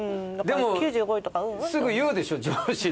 でもすぐ言うでしょ上司に。